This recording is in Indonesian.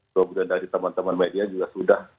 semoga dan dari teman teman media juga sudah